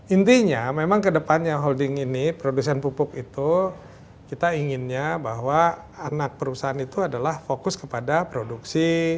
intinya memang kedepannya holding ini produsen pupuk itu kita inginnya bahwa anak perusahaan itu adalah fokus kepada produksi